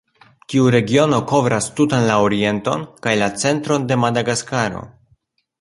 Tiu regiono kovras tutan la orienton kaj la centron de Madagaskaro.